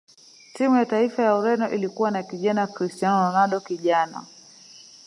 timu ya taifa ya ureno ilikuwa na kijana cristiano ronaldo kijana